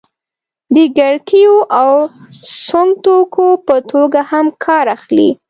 د کړکیو او سونګ توکو په توګه هم کار اخلي.